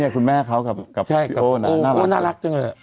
นี่คุณแม่เขากับพี่โอ่น่ารักโอ้น่ารักจังเลย